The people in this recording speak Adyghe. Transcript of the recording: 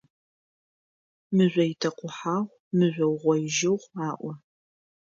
«Мыжъо итэкъухьагъу, мыжъо угъоижьыгъу…»,- аӏо.